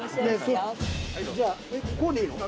じゃあこうでいいの？